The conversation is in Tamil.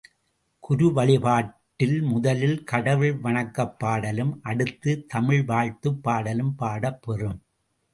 குழு வழிபாட்டில் முதலில் கடவுள் வணக்கப் பாடலும் அடுத்துத் தமிழ் வாழ்த்துப் பாடலும் பாடப்பெறும்.